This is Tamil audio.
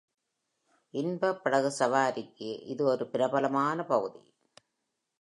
இன்ப படகு சவாரிக்கு இது ஒரு பிரபலமான பகுதி.